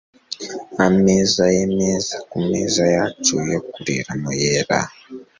ameza yameza kumeza yacu yo kuriramo yera